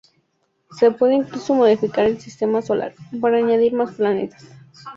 Se puede incluso modificar el sistema solar, para añadir más planetas.